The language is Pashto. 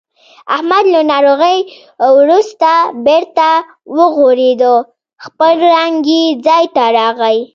احمد له ناروغۍ ورسته بېرته و غوړېدو. خپل رنګ یې ځای ته راغی.